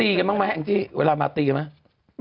กันบ้างไหมแองจี้เวลามาตีกันไหม